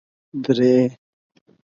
درې